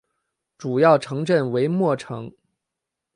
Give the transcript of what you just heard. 主要城镇为莫城。